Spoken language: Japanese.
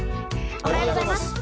おはようございます。